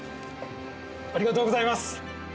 ありがとうございます。